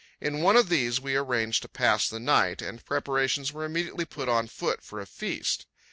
In one of these we arranged to pass the night, and preparations were immediately put on foot for a feast.